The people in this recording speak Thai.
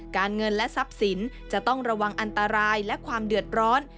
การเงินและทรัพย์สินจะต้องระวังอันตรายและความเดือดร้อน